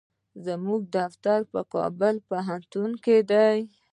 زموږ دفتر په کابل پوهنتون کې دی.